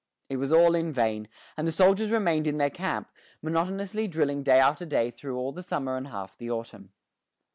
It was all in vain, and the soldiers remained in their camp, monotonously drilling day after day through all the summer and half the autumn.